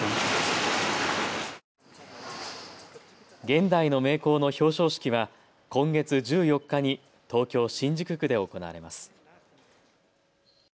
現代の名工の表彰式は今月１４日に東京新宿区で行われます。